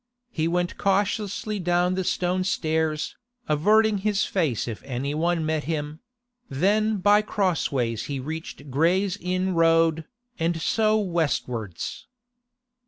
He went cautiously down the stone stairs, averting his face if anyone met him; then by cross ways he reached Gray's Inn Road, and so westwards.